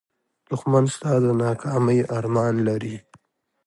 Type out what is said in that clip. دښمن ستا د ناکامۍ ارمان لري